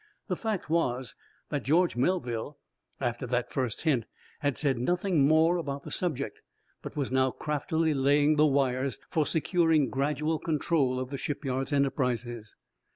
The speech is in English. The fact was that George Melville, after that first hint, had said nothing more about the subject, but was now craftily laying the wires for securing gradual control of the shipyard's enterprises.